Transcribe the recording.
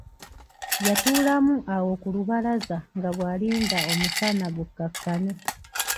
Yatuulamu awo ku lubalaza nga bw'alinda omusana gukkakkane.